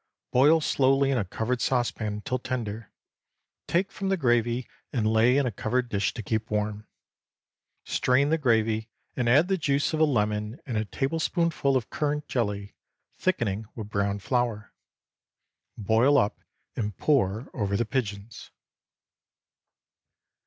Boil slowly in a covered saucepan until tender; take from the gravy and lay in a covered dish to keep warm. Strain the gravy, add the juice of a lemon and a tablespoonful of currant jelly, thickening with browned flour. Boil up and pour over the pigeons.